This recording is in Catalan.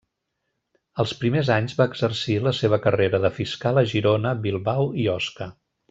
Els primers anys va exercir la seva carrera de fiscal a Girona, Bilbao i Osca.